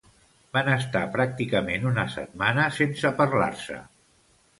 Van estar pràcticament una setmana sense parlar-se.